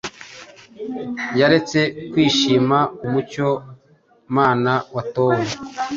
Yaretse kwishima umucyo-Mana watowe